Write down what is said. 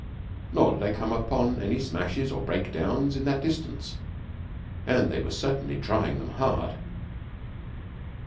Nor did I come upon any smashes or breakdowns in that distance, and they were certainly trying them hard.